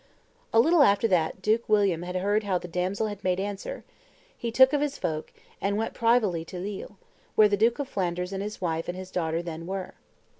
"A little after that Duke William had heard how the damsel had made answer, he took of his folk, and went privily to Lille, where the duke of Flanders and his wife and his daughter then were.